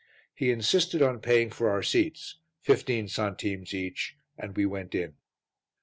He insisted on paying for our seats, fifteen centimes each, and we went in.